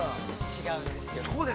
◆違うんですよ。